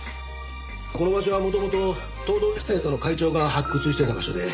この場所は元々東堂エステートの会長が発掘していた場所で。